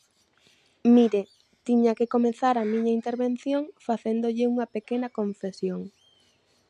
Mire, tiña que comezar a miña intervención facéndolle unha pequena confesión.